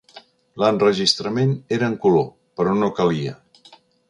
L'enregistrament era en color, però no calia.